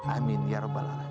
amin ya rabbal alamin